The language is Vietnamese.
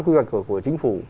quy hoạch của chính phủ